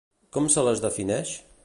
Com se les defineix?